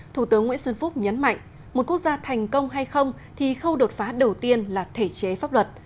thủ tướng nguyễn xuân phúc nhấn mạnh một quốc gia thành công hay không thì khâu đột phá đầu tiên là thể chế pháp luật